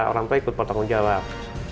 orang tua ikut bertanggung jawab